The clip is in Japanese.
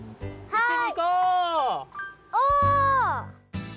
はい。